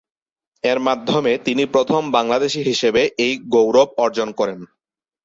এর মাধ্যমে তিনি প্রথম বাংলাদেশী হিসেবে এই গৌরব অর্জন করেন।